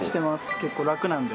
結構楽なんで。